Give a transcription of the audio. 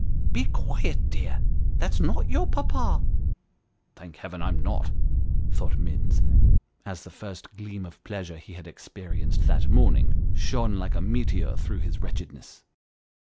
" Be quiet, dear, that's not your papa." " Thank Heaven I am not !" thought Minns, as the first gleam of pleasure he had experienced that morning shone like a meteor through his wretchedness.